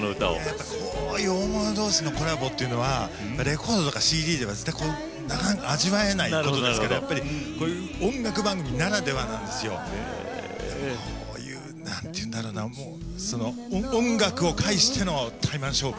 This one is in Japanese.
やっぱこういう大物同士のコラボっていうのはレコードとかＣＤではなかなか味わえないことなんですけどやっぱりこういう音楽番組ならではなんですよ。こういう何て言うんだろうな音楽を介してのタイマン勝負。